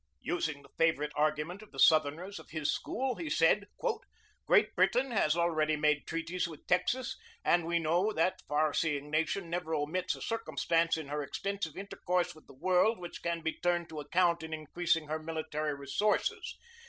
Using the favorite argument of the Southerners of his school, he said: "Great Britain has already made treaties with Texas; and we know that far seeing nation never omits a circumstance in her extensive intercourse with the world which can be turned to account in increasing her military resources.